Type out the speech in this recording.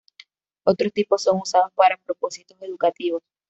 Otros tipos son usados para propósitos educativos.